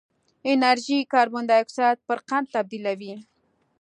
انرژي کاربن ډای اکسایډ پر قند تبدیلوي.